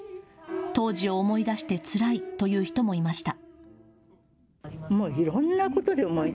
当時を思い出してつらいという人もいました。